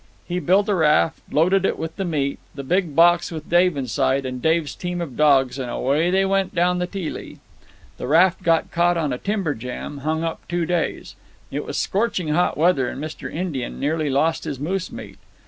He built a raft and loaded it with the meat, the big box with Dave inside, and Dave's team of dogs, and away they went down the Teelee. "The raft got caught on a timber jam and hung up two days. It was scorching hot weather, and Mr. Indian nearly lost his moose meat.